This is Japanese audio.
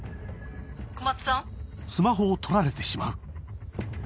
小松さん？